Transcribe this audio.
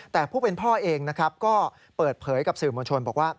แต่ผู้เป็นพ่อเองนะครับก็เปิดเผยกับสื่อมวลชนบอกว่า